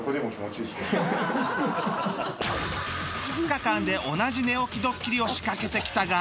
２日間で同じ寝起きドッキリを仕掛けてきたが